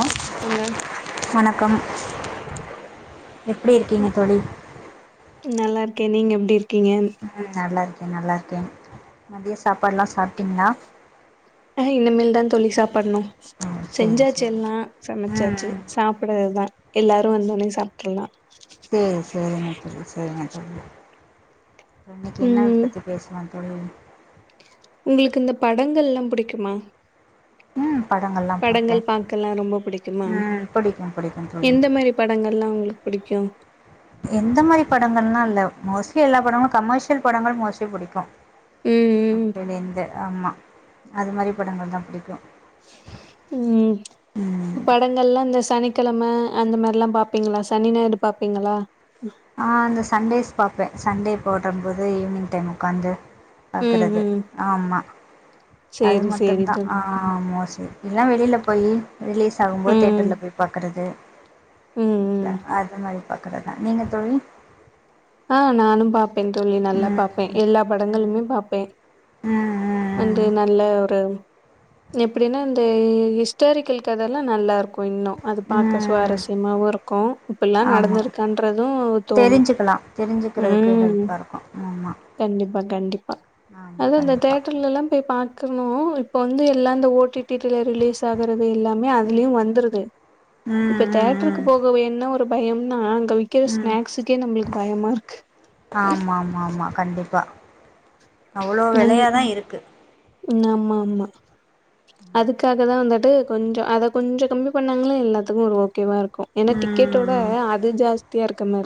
Hello க்கங்க வணக்கம் எப்டி இருக்கீங்க தோழி கே நீங்க எப்டி இருக் ம் நல்லா இருக் கே நல்லா இருக்கேன் மதியம் சாப்பாடுல்லாம் சாப்டீங்களா ஆஹ இனிமேல் தான் தோழி சாப்பணும் ம் சரி செஞ்சாச்சி சரி எல்லாம் ம் சமைச்சாச்சி ம் சாப்படறதுதான் எல்லாரும் வந்த ஒன்னே சாப்ட்றலாம் சேரி செரிங்க தோழி செரிங்க தோழி இன்னைக்கு என்ன ம் பத்தி பேசலாம் தோழி உங்களுக்கு இந்த படங்கள்லாம் புடிக்குமா ம் படங்கள்லாம் படங்கள் பார்ப்பேன் பாக்கலா ரொம்ப புடிக்குமா ம் பிடிக்கும் பிடிக்கும் தோழி எந்த மாரி படங்கள்லாம் உங்களுக்கு புடிக்கும் எந்த மாரி படங்கள்லாம் இல்ல மோஸ்ட்லி எல்லா படங்களும் கமர்ஷியல் படங்கள் மோஸ்ட்லி புடிக்கும் ம் ம் அப்பேல இந்து ஆமா அது மாரி படங்கள் தான் புடிக்கும் ம் ம் படங்கள்லாம் இந்த சனி கெழம அந்த மாரில்லாம் பாப்பீங்களா சனி ஞாயிறு பாப்பீங்களா ஆ அந்த சண்டேஸ் பாப்பே சண்டே போடறம்போது ஈவினிங் டைம் உக்காந்து ம் பாக்குறது ம் ஆமா அது சேரி சேரி மட்டும்தா தோழி ஆ மா எல்லா வெளியில போய் ரிலீஸ் ஆகும்போது ம் தேட்டர்ல போய் பாக்கறது ம் ம் இல்ல அத மாரி பாக்றதா நீங்க தமி ஆ நானு பாப் பெண் தோழி நல்லா பாப்பே ம் எல்லா படங்களுமே பாப்பே ம் ம் ம் வந்து நல்ல ஒரு எப்டின்னா இந்த ஹிஸ்டாரிக்கல் கத எல்லா நல்லா இருக்கு ஓ இன்னு அது பாக்க ம் சுவாரஸ்யமாவு இருக்கு இப்பல்லா ஆமா நடந்திருக்கான்றது தோணு தெரிஞ்சுக்கலா தெரிஞ்சுக்கிறதுக்கு ம் ஹெல்ப்பா இருக்கு ஆமா கண்டிப்பா கண்டிப்பா ஆமா அதுவு இந்த கண்டிப்பா தேட்டர்லலா போய் பா இருக்கணு இப்ப வந்து எல்லா ஓட்டிட் கேட்டர்ல ரிலீஸ் ஆகிறது எல்லாமே அதுலியு வந்துறுது ம் இப்ப ம் தேட்டருக்கு போகவேனா ஒரு டி ஒரு பயம் நா கவிக்கிற ம் ம் ஸ்நாஸ்க்கே நம்மளுக்கு பயமா இருக்கு ஆமா ஆமா ஆமா கண்டிப்பா அவ்ளோ விலயா தா இருக்கு ன்னா ஆமா ஆமா அதுக்காக தா வந்த ட்டு கொஞ்சோ அத கொஞ்சம் கம்மி பண்ணாங்கனா எல்லாத்துக்கு ஒரு ஓகேவா இருக்கு கு ஏன்னா டிக்கெட்டோட அது ஜாஸ்தி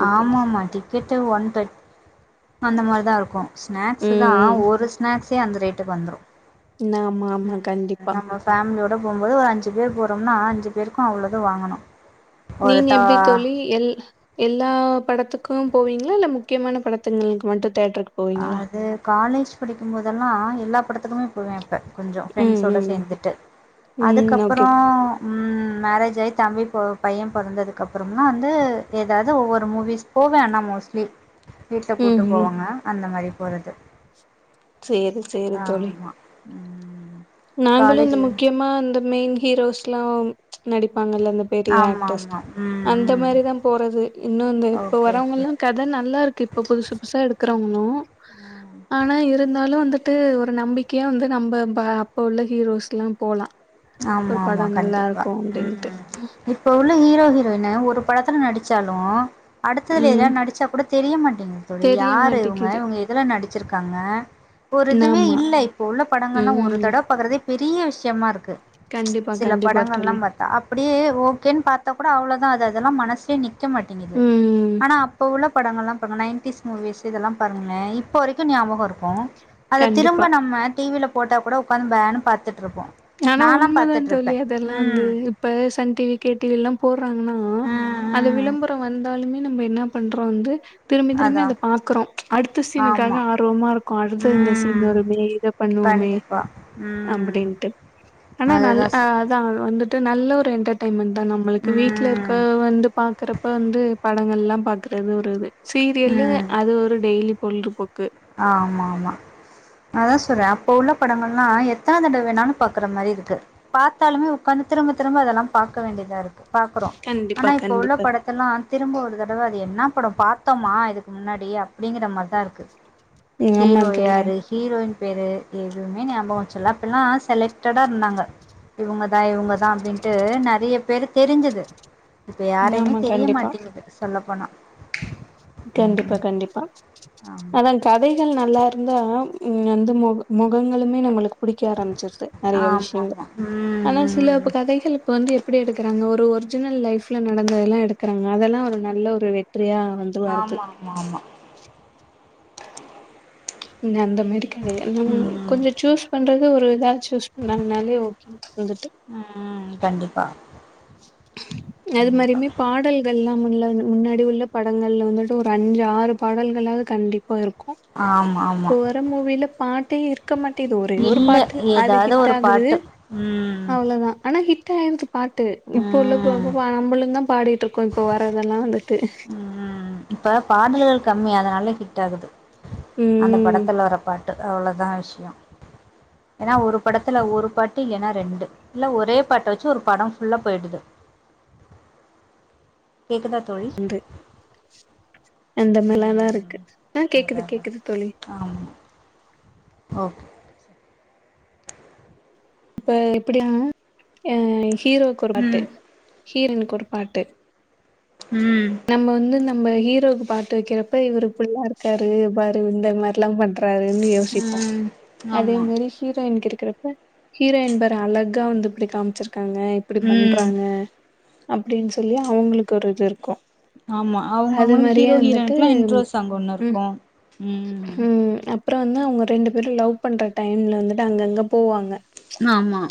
ஆமா ஆமா டிக்கெட்டு ஒன் டன் அந்த மாரிதா இருக்கு ஸ்நாக்ஸ் தா ஒரு ஸ்நாக்ஸ் சே அந்த ரேட்டு வந்துரு ன ஆமா ஆமா கண்டிப்பா போகும்போது ஒரு அஞ்சு பேர் போறோம்னா அஞ்சு பேருக்கு அவ்ளோது வாங்கணு ஒரு நீங்க தா எப்டி தோழி எல் எல்லா படத்துக்கு போவீங்களா இல்ல முக்கியமான படத்துங்களுக்கு மட்டு அது காலேஜ் படிக்கு போதெல்லா எல்லா படத்துக்குமே போவே இப்ப கொஞ்சம் ம், ஃப்ரெண்ஸ்சோட ம். சேர்ந்துட்டு ம். ஓகே. அதுக்கப்றோ ம் மேரேஜ் ஆயி தம்பி பைய பொறந்ததுக்கு அப்பறலா வந்து ஏதாவது ஒவ்வொரு மூவிஸ் போவே ஆனா மோஸ்லி வீட்ல கூட்டு ம், ம். போவங்க அந்த மாரி போறது செரி செரி தோழி ஆமா ம் நாங்களு இந்த காலேஜ்ல முக்கியமா இந்த மெயின் ஹீரோஸ்லா நடிப் அந்தால அதீத பெரிய ஆமா ஆக்டர்ஸ் ஆமா ம் அந்த ம் மாரிதா போறது இன்னு இந்த இப்ப ஓகே ஓகே வரவங்கல்லா கத நல்லா இருக்கு இப்ப புதுசு புதுசா எடுக்கறவங்க நோ ம் ஆனா இருந்தாலு வந்து அது ஒரு நம்பிக்கையா வந்து நம்ப ப இப்ப உள்ள ஹீரோஸ் லா போலா ஆமா ஆமா கண்டிப்பா ம் இப்ப உள்ள ஹீரோ ஹீரோயின் ஒரு படத்துல நடி ச்சாலு அடுத்ததுல எதுல ம் நடிச்சா கூட தெரியமாட்டேங்கு தோழி தெரிய யாரு இவுங்க மாட்டேக்குது இவுங்க எதுல நடிச் வச்சசிருக்காங்க ஒரு இதுவே ஆமா இல்ல இப்ப உள்ள படங்கள்ல்லா ஒரு ம் தடவ பாக்றதே பெரிய விஷயமா இருக்கு கண்டிப்பா சில கண்டிப்பா படங்கலா தோழி பார்த்தா அப்படியே ஓகேன்னு பார்த்தா கூட அவ்ளோதா அது அதெல்லா மனசுலேயே நிக் நீக்க மாட்டேங்குது ம் ஆனா அப்ப உள்ள அப்ப உள்ள படங்கள்லா பாருங்கள் நைன்டிீஸ் மூவிஸ் இதெல்லா பாருங்களே இப்போ வரைக்கு ஞாபகம் இருக்கு அத கண்டிப்பா திரும்ப நம்ம டிவில ஃபோட்டா கூட ஒக்காந்து பேனு பாத்துட்டுருப்போ ஆனா உண்மதா தோழி அதெல்லா வந்து இப்ப சன் டிவி கேடிவி எல்லா போடுறாங்கன்னா அந்த ம் ம் விளம்பரம் வந்தாலுமே நம்ம என்ன பண்றோ வந்து திரும்பி திரும்பி அதா அத பாக்குறோ அடுத்த சீனுக்காக ஆமா ஆர்வமா இருக்கு அடுத்த இந்த சீன் ம் வருமே இத பண்ணுவோமே கண்டிப்பா ம் அப்படின்ட்டு ஆனா நல்ல அதுதா சொல் அதா வந்துட்டு நல்ல ஒரு என்ட்டர்டெயன்மெண்ட்டு தா நம்மளுக்கு வீட்ல ம் இருக்கவ வந்து பாக்குறப்ப வந்து படங்கள்லா பாக்குறது ஒரு இது சீரியலு அது ஒரு டெய்லி பொங்கிபோ ஆமாமா அதா சொல்றே அப் ப உள்ள படங்கள்லா எத்தன தடவ வேணாலு பாக்குற மாரி இருக்கு பாத்தாலுமே உக்காந்து திரும்ப திரும்ப அதெல்லா பாக்க வேண்டியதா இரு பாக்குறோ ஆனா கண்டிப்பா இப்ப உள்ள கண்டிப்பா படத்தல்லா திரும்ப ஒரு தடவ அது என்னா படொ பாத்தோமா இதுக்கு முன்னாடி அப்டிங்கிற மார்தா இருக்கு ம் ஆமா ஹீரோ தோழி யாரு ஹீரோயின் பேரு எதுவ்மே ஞாபக வச்சுல்லா அப்பல்லா செலக்டடா இருந்தாங்க இவுங்கதா இவுங்க தா அப்டின்ட்டு நறைய பேரு தெரிஞ்சது இப்ப யாரையுமே ஆமா தெரிய கண்டிப்பா மாட்டிங்குது சொல்லப்போனா கண்டிப்பா கண்டிப்பா ஆமா அதா கதை கள் நல்லாருந்தா ம் அந்த மொக மொகங்களுமே நம்மளுக்கு புடிக்க ஆரம்பிச்சிருது நறைய ஆமா விஷ்யங்க ஆமா ம் ஆனா சில ம் ப கதைகள் இப்ப வந்து எப்டி எடுக்குறாங்க ஒ ரு ஒருஜினல் லைஃப்ல நடந்ததெல்லா எடுக்குறாங் க அதெல்லா ஒரு நல்ல ஒரு வெற்றியா வந் ஆமாமாமா ஆஹ நீங்க அந்த நடிக்கலை அந்த ஊ ம் கொஞ்ச சூஸ் பண்ற து ஒரு இதாச்சு சூஸ் பண்ணாங்கனாவே ஓகே வந்துட்டு ம் கண்டிப்பா அது கண்டிப்பா மாரியுமே பாடல்கள் எல்லாம் முன்லா முன்னாடி உள்ள படங்கள்ல வந்துட்டு ஒரு அஞ்சு ஆறு பாடல்களாது கண்டிப் பா இருக்கு ஆமா ஆமா இப்ப வர மூவில பாட் டே இரு க்க மாட்டிது ஒரே ஒரு இல்ல பாட்டு அது ஏதாவது ஹிட் ஒரு ஆகுது பாட்டு ம் அவ்ளதா ஆனா ஹிட் [unintelligible] து எனக்கு பாட்டு இப்ப உள்ள ம் போப்ப [unintelligible] பாடிட்டு இருக்கோம் இப்போ வர்தெல்லாம் வந்துட்டு ம் இப்ப பாடல்கள் கம்மி அதனால ஹிட் ஆகுது அந்த ம். படத்துல வர பாட் அவ்வளோதான் விஷயம் ஏன்னா ஒரு படத்துல ஒரு பாட்டு இல்லன்னா ரெண்டு இல்ல ஒரே பாட்டை வச்சு ஒரு படம் ஃபுல்லா போயிடுது கேக்குதா தோழி அந்த மாரிலாம் தான் ம் இருக்கு ஆ கேக்குது கேக்குது தோழி ஓ இப்ப எப்படியான ஏ ஹீரோக்கொருப்பாட்டு ம் ஹீரோயின்க்கொருப்பாட்டு ம் நம்ம வந்து நம் இந்த ஹீரோவுக்கு பாட்டு வைக்கிறப்ப இவரு இப்பிள்ளா இருக்காரு பாரு இந்த மாதிரிலாம் பண் றாருன்னுயோசிப்போம் ம் ஆமா அதேமாரி ஹீரோயினுக்கு இருக் திருப்பு ஹீரோயின் பார் அழகா வந்து இப்டி காமிச்சிரு க்காங்க இப்படி ம் பண்றாங்க அப்படின்னு சொல்லி அவுங்களுக்கு ஒரு இது இருக்கும் ஆமா அவுங்க அது அவுங்களுக்கு மாரியே ஹீரோ வந்துட்டு ஹீரோயின்னுக்கு எல்லாம் இன்ட்ரோ சாங் ஒண்ணு ம் இருக்கும் ம் அப்புறம் வந்து அவுங்க ரெண்டு பேரும் லவ் பண்ணுற டைம்ல வந்துட்டு அங்க அங்க போவாங்க ஆமா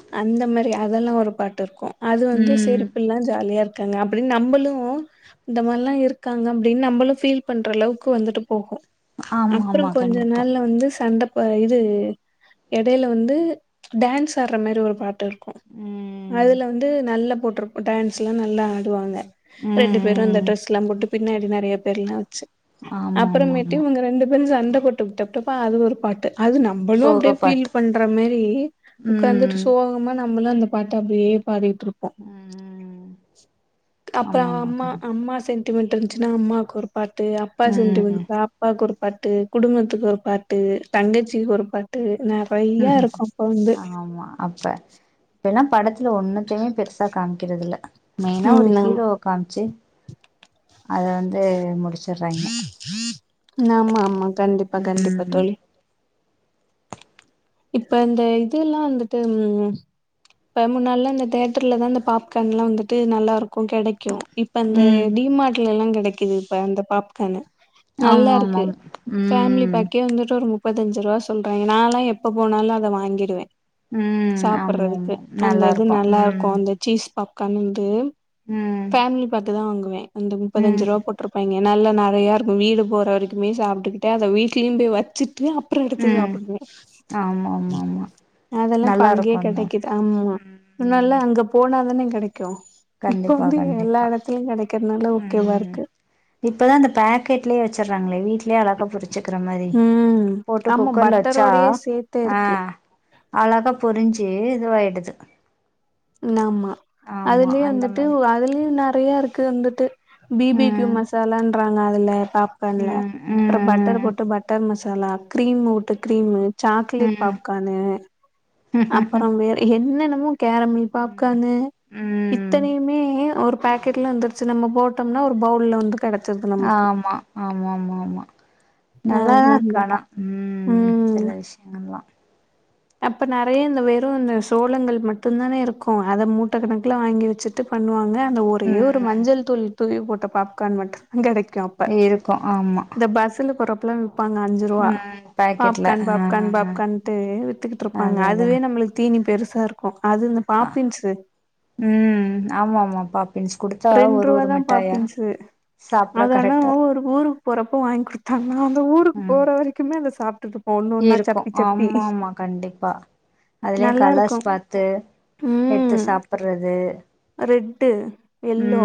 அதெல்லாம் ஒரு பாட்டு இருக்கும் அது வந்து ம் செரிப்பில்லாம் ஜாலியா இருக் குங்க அப்படின்னு நம்மளும் இந்த மாரிலாம் இருக்காங்க அப்படின்னு நம்மளும் ஃபீல் பண்ற அளவுக்கு வந்துட்டு போகும் ஆமா ஆமா அப்றம் கொஞ்ச கண்டிப்பா நாள்ல வந்து சண்டை ஆ இது எடையில வந்து டான்ஸ் ஆடு ற மாதிரி ஒரு பாட்டு க்கும் ம் அதுல வந்து நல்ல போட்டு இருக்கும் டான்ஸ்லாம் நல்லா ஆடுவங்க ம் ரெண்டு பேரும் அந்த ம் டிரெஸ்ல்லாம் போட்டு பின்னாடி நெறய பேர்லா வச்சு ஆமா ஆமா அப்பறமேட்டு ஆமா இவுங்க ரெண்டு பேரு சண் போட்டு விப்பா அது ஒரு பாட்டு அது நம்பளும் சோக அப்டியே ஃபீல் பாட்டு பண்ற மாரி உட்காந்துட்டு ம் சோகம நம்பளு அந்த பாட்ட அப்டியே பாதிட்டு விட்ருப்போ ம் அப்பற ஆமா ஆமா அம்மா கண்டிப்பா அம்மா செ மட்ட இருந்துச்சுன்னா அம்மாக்கு ஒரு பாட்டு அப்பா சென்று ம் வா அப்பா கு பாட்டு குடும்பத்துக்கு ஒரு பாட்டு தங்கச்சிக்கு ஒரு பாட்டு நெறயா இருக்கு ஆமா அப்ப எல்லா படத்ல ஒன்னத்தயூமே பெருசா காமிக்குறது இல்ல மெயினா ம் ஒரு ஆமா ஹீரோ வ காமிச்சு அத வந்து முடி ஆமா ஆமா கண்டிப்பா கண்டிப்பா ம் தோழி இப்ப இந்த இதெல்லா வந்துட்டு உம் இப்ப முன்னால்லா அ இந்த தேட்டர்ல தா இந்த பாப்கார் எல்லா வந்துட்டு நல்லா இருக்கு கெடைக்கு இப்ப இந்த ம் டிமார்ட்ல எல்லா கெடை கிடைக்குது இப்ப அந்த பாப்கானு ஆமா நல்லா இருக்கு ஆமாம் ஃபேமிலி ம் பாக்கே வந்துட்டு ஒரு மு முப்பத்தஞ்சு ரூபா சொல்றாங்க நால்லா எப்ப போனாலு அத வாங்கிடுவே உம் ஆமா சாப்புட்றதுக்கு ஆமா அந்த நல்லா இது இருக்கு நல்லா இருக்கு ம் அந்த சீஸ் பாப்கான் வந்து ம் ஃபேமிலி பேக்கு தா வாங்குவே வந்து முப்பத்தஞ்சு ம் ரூபா போட்ருப்பாங்க நல்ல நெறயா இருக்கு வீடு போற வரைக்குமே சாப்பிட்டுக்கிட்டு அத வீடலயு போய் வச்சுட்டு அப்றோ எடுத்து ம் சாப்படு ஆமா ஆமா ஆமா அதெல்லா இப்ப நல்லா அங்கயே இருக்குந்தா கெடைக்குது ஆமா முன்னால ம் அங்க போனாதானே கெடைக்கு இப்ப கண்டிப்பா வந்து எல்லா கண்டிப்பா எடத்துலயு கெடைக்கிறதுனால ஓகேவா ம் இருக்கு இப்பதான் அந்த பேக்கெட்லயே வச்சடுறாங்களே அழகா பொறிச்சுக்கிற மாதிரி ம் போட்டு ஆமா குக்கர்ல வச்சா பட்டரோடயே சேத்தே ஆ இருக்கு அழகா பொறிஞ்ச்சு இதுவாயிடுது ஆமா ஆமா அதுலயே அந்த வந்துட்டு மாரி அதுலயும் ந நறையா இருக்குது வந்துட்டு பி பி க்யூ ம் மசாலான்ன்றாங் நல்லா பாப்கான்ல ம் அப்புறம் பட்டர் ம் போட்டு பட்டர் மச லக் கிரீம் வுட்டு கிரீமு சாக்லேட் ம் பாப்கான்னு அப்புறம் வேற் என்னன்ன கேராமில்க் பாப்கான்னு ம் இத்தனையுமே ஒரு பாக்கெட்ல வந்துருச்சு நம்ம போட்டோம்னா ஒரு பவுல்ல வந்து கெடச்சிருது நமக்கு ஆமா ஆமா ஆமா ஆமா நல்லாதான் அதெல்லாம் இல்ல. இருக்க ஆனா ம் சில விஷயங்கள்ல்லாம் அப்ப நறைய இந்த வெறும் இந்த சோழங்கள் மட்டும் தானே இருக்கும் அதை மூட்ட கணக்குல வாங்கி வச்சு அது பண்ணுவாங்க அந்த ஒரே ஒரு ம் மஞ்சள் தோழி தூய் போட்ட பாப்கான் மட்டும் கெடைக் இருக்கும் ஆமா பலங் [unintelligible] பாப்பாங்க அந்த அஞ்சு ரூபா ம் பாக்கெட்ல பாப்கன் ஆ பாப்கன் பாப்கட்டு திருப்பாங்க இருப்பாங்க அது அதா அதுவே நம்மளுக்கு தீ இனி பெருசா இருக்கும் அது இந்த ஆ பாப்பின்ஸு உமஃஆமா ஆமா பாப்பின்ஸ் குடுத்தா ரெண்டு ஒரு ரூவா ஒரு தான் மிட்டாயா பாப்பீன்ஸ்ஸீ சாப்ட அதனா கரெக்டா இருக்கு ஒரு ஊருக்கு போறப்ப வாங்கி குடுத்தாங்கன்னா அந்த ஊருக்கு ம் போற வரைக்குமே அதை சாப் இருக்கு ஆமா ஆமா கண்டிப்பா அதுலயு கலர்ஸ் நல்லாருக்கும். பாத்து எடுத்து ம். சாப்புறது ரெட்டு எல்லோ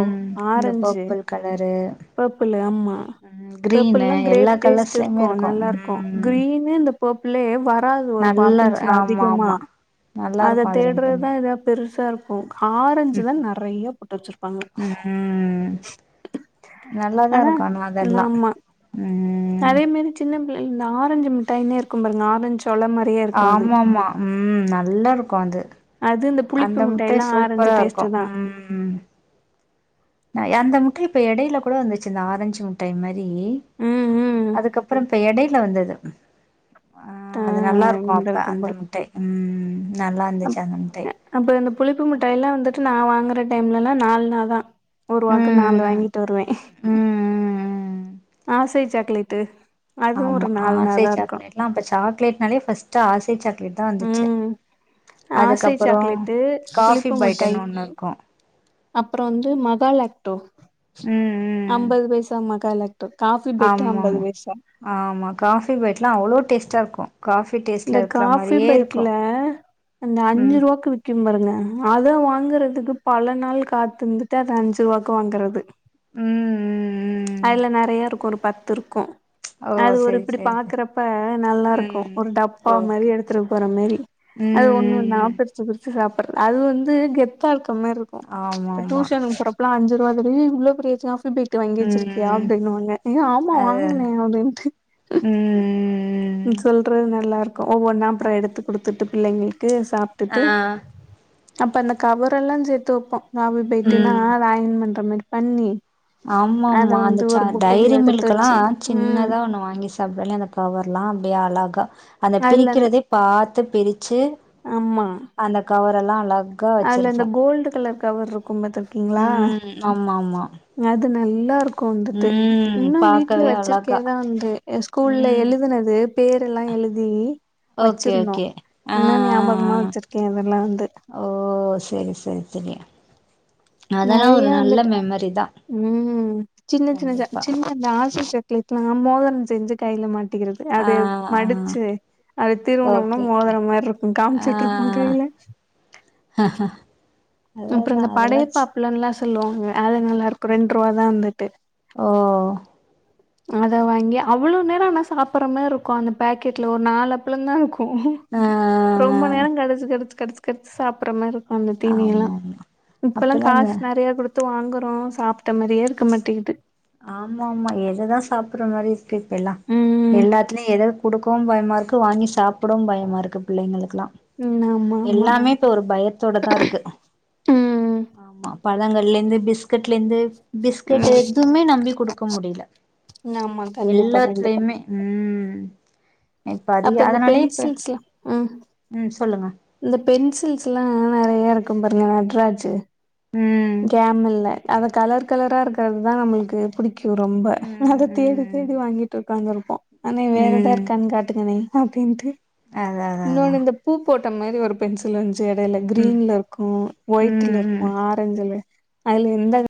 இந்த ஆரஞ்சு பர்பிள் கலரு பேப்பிளு ஆமா ம் கிரீனு பேப்பிள்ல்லா எல்லா கிரேப் டேஸ்ட் கலர்ஸ்லயுமே இருக்கு நல்லா இருக்கு ம் கிரீனு இந்த பேப்பிலே வராது ஒரு நல்லா பாப்பின்ஸ்ல ஆமா அதிகமா ஆமா நல்லா அத இருக்கு அது தேடுறதுதா ரெண்டுமே ஏ பெருசா இருக்கு ஆரஞ்சு தா நெறய போட்டு வச்சிருப்பாங்க ம் நல்லாதா இருக்கு ஆனா அதெல்லா ஆமா உம் அதே மாரி சின்ன பிள்ளை இந்த ஆரஞ்சு ப டைனே இருக்கு பாருங்க ஆரஞ்சு சொள மாரியே இருக்கு அது ஆமா ஆமா உம் நல்லா இருக்கு அது அது இந்த புளிப்பு அந்த மிட்டாய் மிட்டாய்லா ஆரஞ்சு சூப்பரா இருக்கு டேஸ்ட்டு தா உம் அந்த முட்ட இப்ப இடையில வந்துச்சு அ ஆரஞ்சு மிட்டாய் மாரி ம் ம் அதுக்கப்றோ இப்ப எடை ல வந்தது ஆ அது நல்லா இருக்கு இந்த அப்ப அந்த கும்பல் மிட்டாய் உம் உம் அப்ப இந்த புளிப்பு மிட்டாய் எல்லா வந்துட்டு நா வாங்குற டைம்லல்லா நாலு நாள்னாதா ஒரு ரூபாக்கு நாலு ம் வாங்கிட்டு வருவே ம் ம் ஆசை சாக்லேட் ட்டு ஆமா ஆசை சாக்லேட்லா அப்போ சாக்லேட் நாலே ஃபஸ்ட்டு ஆசை சாக் தா வந்துச்சு ம் ஆசை அதுக்கப்புறோ சாக்லேட்டு காபி புளிப்பு மிட்டாயி பைட்டனு ஒன்னு இருக்கு அப்றோ வந்து மகாலக்டோ உம் உம் மகாலாக்டோ காஃபி பைட்டு ஆமா அம்பது பைசா ஆமா காபி பைட்லா அவ்ளோ டேஸ்ட்டா இருக்கு காபி இந்த காபி பைட்ல அந்த அஞ்சு ம் ரூபாக்கு வி இங் பாருங்க அத வாங்குறதுக்கு பல நாள் காத்துருந்துட்டு அது அஞ்சு ரூபாக்கு வாங்குறது ம் ம் ம் அதுல நெறய இருக்கு ஒரு பத்து துருக்கு ஓ அது ஒரு செரி இப்டி செரி செரி பாக்குறப்ப நல்லா இருக்கு ம் ஒரு டப்பா மாரி ஓகே எடுத்துனு போற மாரி ம் அது ஓன்னோன்னா ம் ம் பிரிச்சு பிரிச்சு சா பர் அது வந்து கெத்தாருக் எப்பமே இருக்கு ஆமா ஆமா டியூஷன் போறாப்பல அஞ்சி அந்த பிரி உள்ள பிரியச்சுனா புது பேட் வாங்கி வச்சிருக்கியா ம் அப்புடின்னு வாங்க ஏ ஆமா அது அது வாங்கினே அப்படின்ட்டு ம் ம் சொல் அப்புற இது நல்லா இருக்கு ஒவ்வொன்னா அப்புற எடுத்து கொடுத்துட்டு இல்லங்க ட்டு ஆ சாப்ட்டுட்டு அப்ப அந்த கவர எல்லா சேத்து வைப்போ சாப்ட் போயிட்டன்னா ராயன் பண்ற மாரி பன்ணி ஆமா ம்மா அந்த ச டைரி எடுத்து மில்க் எல்லா வச்சு ம் சின்னதா ஒண்ணு வாங்கி சாப்டாலே அந்த கவர் எல்லா அப்படியே அழகா அத அதுல அந்த பிரிக்கிறதே பாத் த்த பிரி பிரிச்சி அந்த கவர் பெல் லா லாக் அல அந்த கோல்டு கலர் தவரு கும்பத்து கீங்ளா ம் ஆமா ஆமா அது நல் எல்லாருகு கோந்துத்து ம் இன்னு வீட்ல பாக்கவே அழகா வச்சிருக்கேதா இந்து ஸ்கூல்ல ம் எழுதுனது பேர் எல்லா எழுதி ஓகே வச்சிருந்தோ ஓகே ஆ இன்னு ஞாபகமா ஆ வச்சிருக்கே அதெல்லா வந் ஓ ஓ சரி சரி தெரிய நறைய வந்துட்டு ம் சின்ன சின்ன ச கண்டிப்பா சின்னதா ஆசுசு திட்ன மோதரோ செஞ்சு கையில மாட்டி க்குரது ஆ அது மடிச்சு அது திருவுனம்னா ஓகே ஓகே மோதற மாரி இருகு ஆ காமிச்சுட்டு இருப்போ கையில அப்புறம் அததா இந்த அதெல்லா படையப்பா ச் அப்புலலா சொ சொல்லுவாங்க அது நல்லா இருக்கு ரெண்டு ரூவாதா வந்துட்டு ஓ அத வாங்கி அவ்வளவு நேரோ ஆனா சாப்பிடற மாரி இருக்கு அந்த பேக்கெட்ல ஒரு நாலு அப்பளம் தா இருக்கு கு ஆ ரொம்ப நேரோ கடிச்சு கடிச்சு கடிச்சு கடிச்சே சாப்பிடற மாரிருக்கு அந்த ஆமா தீனீயெல்லா ஆமா இப்பல்லா அப்பல்லா இந்த காசு நறைய கொடுத்து பத்து வாங்குறோ சாப்ட்ட மாரியே இருக்க மாட்டேிக்கிட்டு ஆமா ஆமா எததா சாப்பற மாரி பி இப்ப எல்லா ம் எல்லாத்துலேயு எதது குடுக்கு இப்பவு பயமா இருக்கு வாங்கி சாப்பவு ப்டவு பயமா இருக்கு பிள்ளைங்களுக்குெல்லா ம் ஆமா ஆமா எல்லாமே இப்ப ஒரு பயத்தோட தா இருக்கு ம் ஆமா பழங்கள்ல இருந்து பிஸ்கட்ல இருந்து பிஸ்கட்டு ம் எதுவுமே நம்பி கொடுக்க முடில ஆமா கண்டிப்பா கண்டிப்பா எல்லாத்துலயுமே ம் இப்ப அதிக அப்ப இந்த அதனாலயே இப்ப பென்சில்ஸ்லா ம் ம் சொல்லுங்க இந்த பென்சில்ஸ் எல்லா நிறைய இருக்கு பாருங்க நட்ராஜு ம் கேம் இல் ல அது கலர் கலரா இருக்கிறது தா நம்மளுக்கு பிடிக் ரொம்ப ம் அத தேடி ம் தேடி வாங்கிட்டு இருக்காங்க அன ம் வேற ஏதா ம் இருக்கான்னு காட்டுங்கண்ணே ஒகேன்ட்டு அதா அதா அதா இன்னொன்னு இந்த பூ போட் ந்த மாதிரி ஒரு பென்சில் வந்து ச்சு எடையில ம் கிரீன்ல இருக்கு ஒயிட்ல ம் ம் இருக்கு ஆறு ல அதுல எந்த